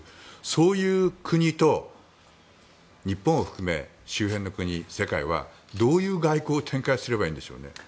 そういう国と日本を含め周辺の国、世界はどういう外交を展開すればいいんでしょうね。